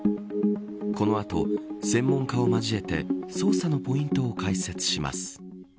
この後、専門家を交えて捜査のポイントを解説します。